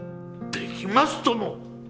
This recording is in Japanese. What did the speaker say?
できますとも！